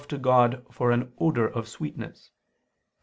. to God for an odor of sweetness" (Eph.